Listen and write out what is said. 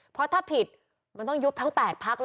เพราะถ้าผิดมันต้องยุบทั้ง๘ภักดิ์แล้วล่ะ